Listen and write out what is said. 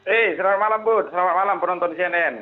eh selamat malam bu selamat malam penonton cnn